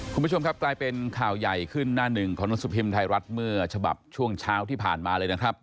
คุณผู้ชมครับกลายเป็นข่าวใหญ่ขึ้นหน้าหนึ่งของหนังสือพิมพ์ไทยรัฐเมื่อฉบับช่วงเช้าที่ผ่านมาเลยนะครับ